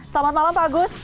selamat malam pak agus